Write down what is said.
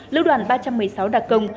lưu đoàn ba trăm một mươi sáu đà công